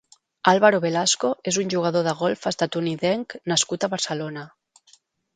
Álvaro Velasco és un jugador de golf estatunidenc nascut a Barcelona.